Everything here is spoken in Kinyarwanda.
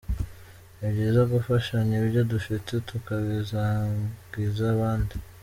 Ni byiza gufashanya, ibyo dufite tukabisangiza abandi.